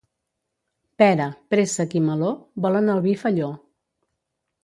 Pera, préssec i meló, volen el vi felló.